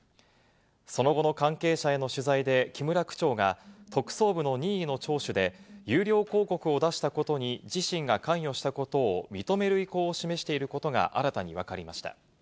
その後の関係者への取材で、木村区長が特捜部の任意の聴取で、有料広告を出したことに自身が関与したことを認める意向を示していることが新たにわかりました。